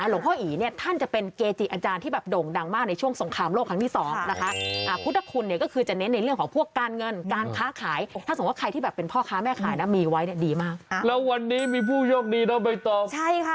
และวันนี้มีผู้โชคดีเราไปตอบ